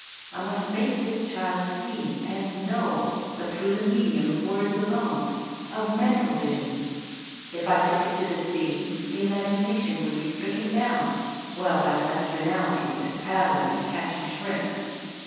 I must make this child see and know, but through the medium of words alone, of mental vision. If I took it to the sea the imagination would be stricken down — well, by such banalities as pad dling and catching shrimps."